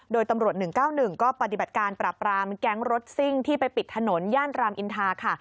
โดยตำรวจ๑๙๑ก็ปฏิบัติการปราบรามแก๊งรถซิ่งที่ไปปิดถนนย่านรามอินทาค่ะ